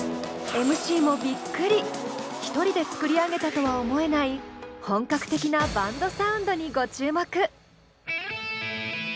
１人で作り上げたとは思えない本格的なバンドサウンドにご注目！